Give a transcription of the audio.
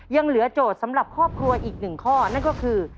ยังเหลือโจทย์สำหรับครอบครัวอีกหนึ่งข้อนั่นก็คือ